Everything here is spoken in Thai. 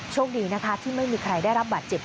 โชคดีนะคะที่ไม่มีใครได้รับบาดเจ็บ